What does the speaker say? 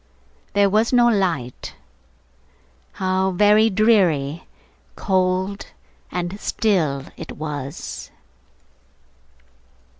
There was no light. How very dreary, cold, and still it was!